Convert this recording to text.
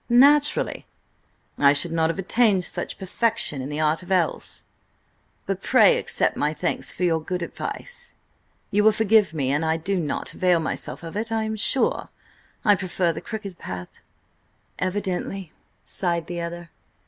"Naturally. I should not have attained such perfection in the art else. But pray accept my thanks for your good advice. You will forgive me an I do not avail myself of it, I am sure. I prefer the crooked path." "Evidently," sighed the other.